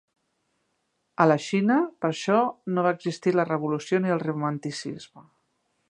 A la Xina, per això, no va existir la revolució ni el romanticisme.